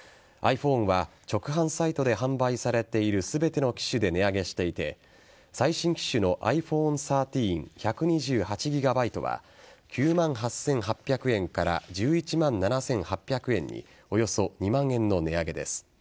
ｉＰｈｏｎｅは直販サイトで販売されている全ての機種で値上げしていて最新機種のｉＰｈｏｎｅ１３１２８ＧＢは９万８８００円から１１万７８００円におよそ２万円の値上げです。